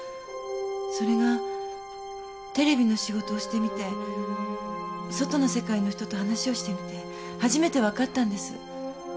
それがテレビの仕事をしてみて外の世界の人と話をしてみて初めて分かったんです。